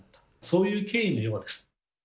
そういう経緯のようです。